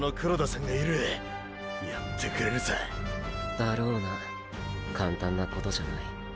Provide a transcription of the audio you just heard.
だろうな簡単なことじゃない。